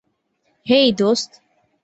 হেই, দোস্ত।